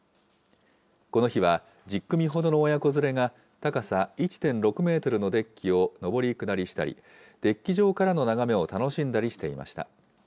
この日は、１０組ほどの親子連れが、高さ１．６メートルのデッキを上り下りしたり、デッキ上からの眺めを楽しんだりしていました。